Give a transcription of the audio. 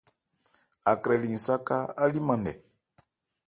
Akrɛ li nsáká, á líman nkɛ.